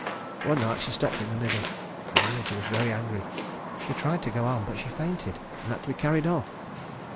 One night she stopped in the middle. The manager was very angry. She tried to go on, but she fainted, and had to be carried off.